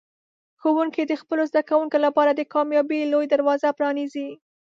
ښوونکي د خپلو زده کوونکو لپاره د کامیابۍ لوی دروازه پرانیزي.